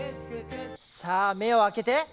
さあ、目を開けて。